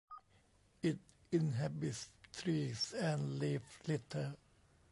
It inhabits trees and leaf litter.